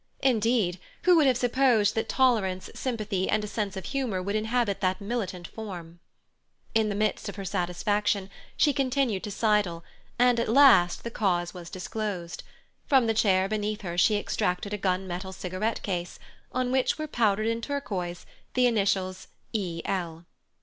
Indeed, who would have supposed that tolerance, sympathy, and a sense of humour would inhabit that militant form? In the midst of her satisfaction she continued to sidle, and at last the cause was disclosed. From the chair beneath her she extracted a gun metal cigarette case, on which were powdered in turquoise the initials "E. L."